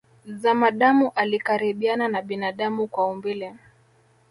Zamadamu alikaribiana na binadamu kwa umbile